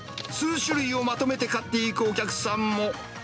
数種類をまとめて買っていくお客さんも。